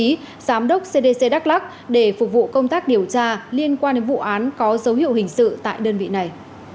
phó giám đốc cdc đắk lắc để phục vụ công tác điều tra liên quan đến vụ án có dấu hiệu hình sự tại đơn vị này